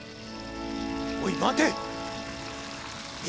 おい待て！